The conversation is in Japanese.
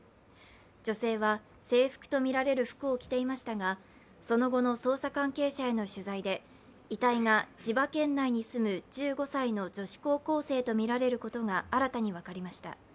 女性は制服とみられる服を着ていましたが、その後の捜査関係者への取材で遺体が千葉県内に住む１５歳の女子高校生とみられることが新たに分かりました。